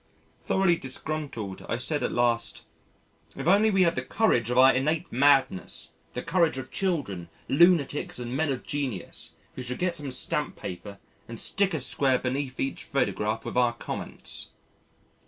Thoroughly disgruntled I said at last: "If only we had the courage of our innate madness, the courage of children, lunatics and men of genius, we should get some stamp paper, and stick a square beneath each photograph with our comments."